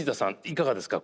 いかがですか？